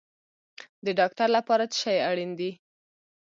د ډاکټر لپاره څه شی اړین دی؟